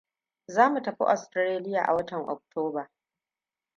Za mu tafi Austaralia a watan Oktoba.